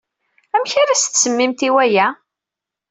Amek ara as-tsemmimt i waya?